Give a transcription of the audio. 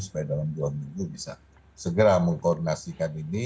supaya dalam dua minggu bisa segera mengkomunikasikan